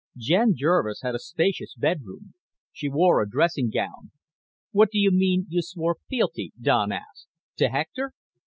Jen Jervis had a spacious bedroom. She wore a dressing gown. "What do you mean, you swore fealty?" Don asked. "To Hector?"